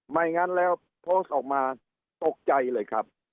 ไม่งั้นแล้วโพสต์ออกมาตกใจเลยครับ